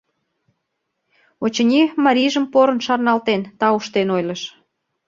Очыни, марийжым порын шарналтен, тауштен ойлыш.